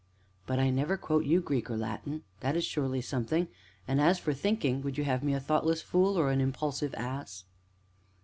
"But I never quote you Greek or Latin; that is surely something, and, as for thinking, would you have me a thoughtless fool or an impulsive ass?"